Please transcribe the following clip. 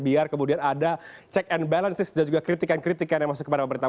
biar kemudian ada check and balances dan juga kritikan kritikan yang masuk kepada pemerintah